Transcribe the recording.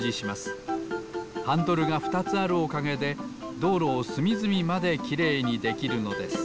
ハンドルがふたつあるおかげでどうろをすみずみまできれいにできるのです。